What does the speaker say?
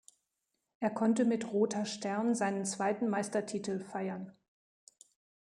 Er konnte mit Roter Stern seinen zweiten Meistertitel feiern.